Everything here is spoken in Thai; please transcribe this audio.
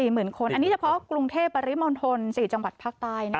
อันนี้เฉพาะกรุงเทพฯบริมณฑล๔จังหวัดภาคใต้